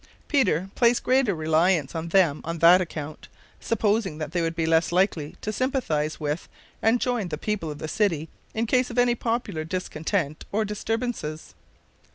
Peter placed greater reliance on them on that account, supposing that they would be less likely to sympathize with and join the people of the city in case of any popular discontent or disturbances.